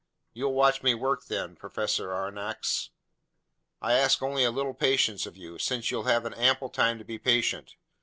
"You'll watch me work them, Professor Aronnax. I ask only a little patience of you, since you'll have ample time to be patient.